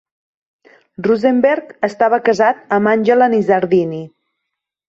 Rosenberg estava casat amb Angela Nizzardini.